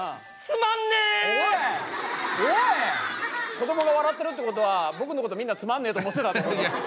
子どもが笑ってるってことは僕のことみんなつまんねえと思ってたってこと。